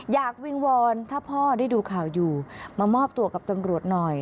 วิงวอนถ้าพ่อได้ดูข่าวอยู่มามอบตัวกับตำรวจหน่อย